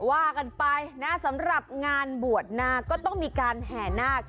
ว่ากันไปนะสำหรับงานบวชนาคก็ต้องมีการแห่นาค